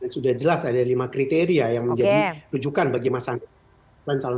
sudah jelas ada lima kriteria yang menjadi rujukan bagi mas anies